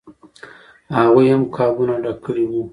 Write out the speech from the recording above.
هغوی هم قابونه ډک کړي وو.